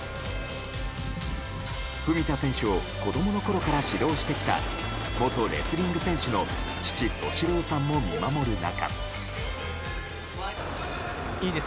文田選手を子供のころから指導してきた元レスリング選手の父・敏郎さんも見守る中。